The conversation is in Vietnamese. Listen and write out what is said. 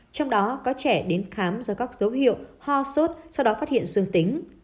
trong đó có trẻ đến khám do các dấu hiệu ho sốt sau đó phát hiện dương tính